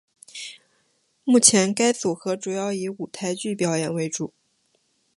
目前该组合主要以舞台剧表演为主。